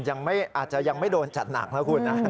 อาจจะยังไม่โดนจัดหนักนะคุณนะ